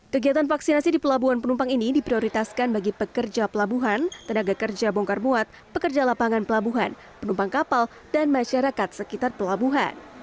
kegiatan vaksinasi di pelabuhan penumpang ini diprioritaskan bagi pekerja pelabuhan tenaga kerja bongkar muat pekerja lapangan pelabuhan penumpang kapal dan masyarakat sekitar pelabuhan